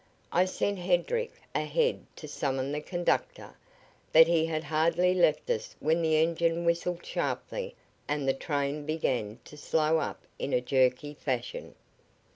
I sent Hedrick ahead to summon the conductor, but he had hardly left us when the engine whistled sharply and the train began to slow up in a jerky fashion.